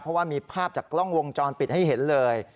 เพราะว่ามีภาพจากกล้องวงจรปิดให้เห็นเลย